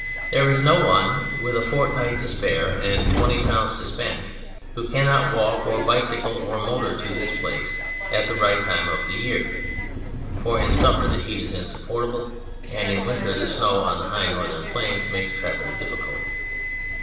There is no one with a fortnight to spare and ^20 to spend who cannot walk or bicycle or motor to this place at the right time of the year (for in summer the heat is insupportable and in winter the snow on the high northern plains makes travel difficult).